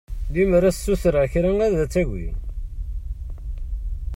Lemmer ad s-ssutreɣ kra ad tagi?